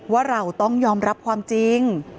ว่าเราต้องยอมรับความจริง